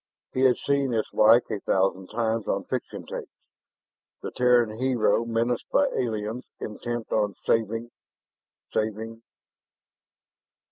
He had seen its like a thousand times on fiction tapes the Terran hero menaced by aliens intent on saving ... saving....